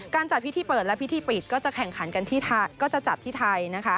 การจัดพิธีเปิดและพิธีปิดก็จะจัดในไทย